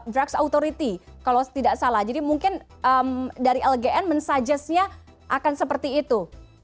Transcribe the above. drugs authority kalau tidak salah jadi mungkin dari lbn mensajisnya akan seperti itu